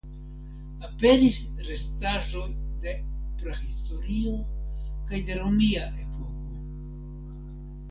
Aperis restaĵoj de prahistorio kaj de romia epoko.